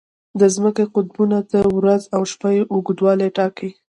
د ځمکې قطبونه د ورځ او شپه اوږدوالی ټاکي.